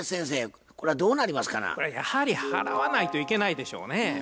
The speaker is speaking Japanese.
これはやはり払わないといけないでしょうね。